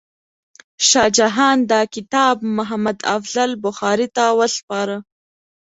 شاه جهان دا کتاب محمد افضل بخاري ته وسپاره.